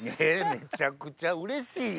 めちゃくちゃうれしいやん。